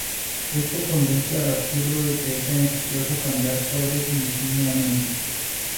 Esto conduce al absurdo de que es beneficioso cambiar sobres indefinidamente.